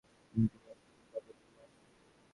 তিনি তিন মাস কাটান ভার্কোটারি মনাস্ট্রিতে।